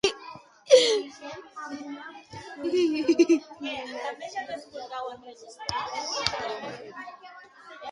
Us deixem amb una compilació de fotografies de la festa.